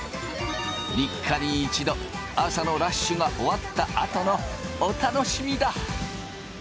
３日に１度朝のラッシュが終わったあとのお楽しみだ。